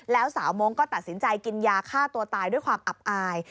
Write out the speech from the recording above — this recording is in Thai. แล้วสาวมงค์ก็ตัดสินใจกินยาฆ่าตัวตายด้วยความอับอาย